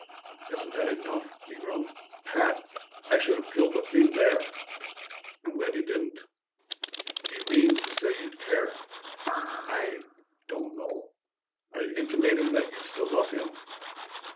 "Isn't that enough?" he groaned. "Pat, I should have killed the fiend there!" "I'm glad you didn't." "Do you mean to say you'd care?" "I don't know." "Are you intimating that you still love him?"